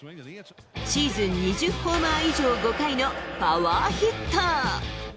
シーズン２０ホーマー以上５回のパワーヒッター。